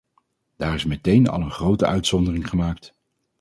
Daar is meteen al een grote uitzondering gemaakt.